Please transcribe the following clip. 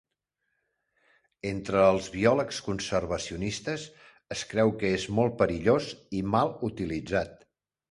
Entre els biòlegs conservacionistes, es creu que és molt perillós i mal utilitzat.